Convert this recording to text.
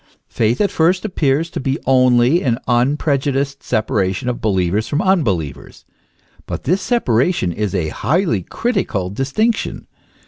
Faith at first appears to be only ^ln unprejudiced separation of believers from unbelievers; but this separation is a highly critical distinction.